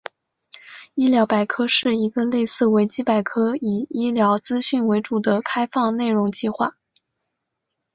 医疗百科是一个类似维基百科以医疗资讯为主的开放内容计划。